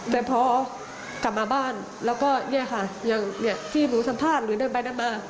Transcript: แต่พอกลับมาบ้านแล้วก็เนี่ยค่ะอย่างที่หนูสัมภาษณ์หรือเดินไปเดินมา